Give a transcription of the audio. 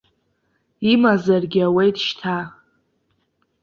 Имазаргьы ауеит шьҭа.